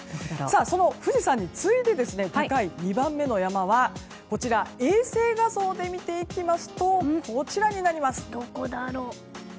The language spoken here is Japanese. その富士山に次いで高い２番目の山は衛星画像で見ていきますとこちらになります。